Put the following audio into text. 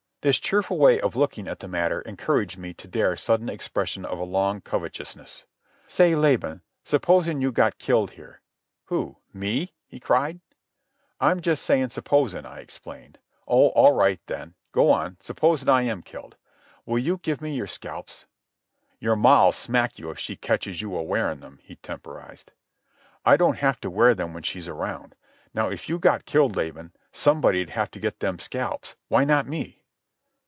This cheerful way of looking at the matter encouraged me to dare sudden expression of a long covetousness. "Say, Laban, supposin' you got killed here—" "Who?—me?" he cried. "I'm just sayin' supposin'," I explained. "Oh, all right then. Go on. Supposin' I am killed?" "Will you give me your scalps?" "Your ma'll smack you if she catches you a wearin' them," he temporized. "I don't have to wear them when she's around. Now if you got killed, Laban, somebody'd have to get them scalps. Why not me?"